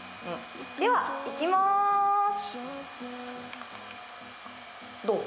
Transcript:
ではいきまーすどう？